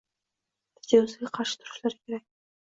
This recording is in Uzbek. tajovuziga qarshi turishlari kerak